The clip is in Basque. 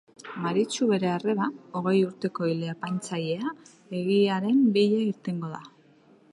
Maritxu bere arreba, hogei urteko ile-apaintzailea, egiaren bila irtengo da.